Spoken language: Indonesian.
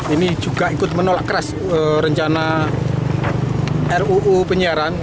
ini juga ikut menolak keras rencana ruu penyiaran